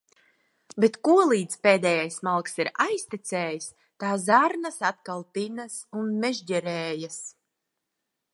Bet kolīdz pēdējais malks ir aiztecējis, tā zarnas atkal tinas un mežģerējas.